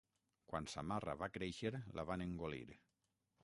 Quan Samarra va créixer la van engolir.